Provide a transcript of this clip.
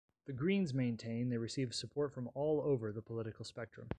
The Greens maintain they receive support from all over the political spectrum.